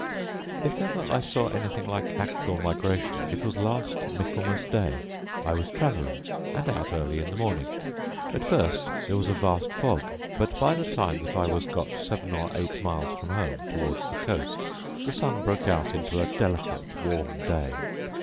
If ever I saw anything like actual migration, it was last Michaelmas day. I was travelling, and out early in the morning: at first there was a vast fog; but, by the time that I was got seven or eight miles from home towards the coast, the sun broke out into a delicate warm day.